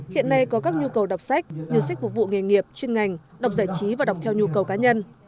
hiện nay có các nhu cầu đọc sách như sách phục vụ nghề nghiệp chuyên ngành đọc giải trí và đọc theo nhu cầu cá nhân